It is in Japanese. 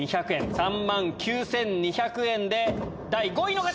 ３万９２００円で第５位の方！